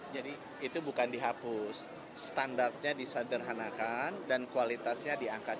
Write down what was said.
jadi itu bukan dihapus standarnya disederhanakan dan kualitasnya diangkat